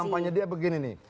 kampanye dia begini nih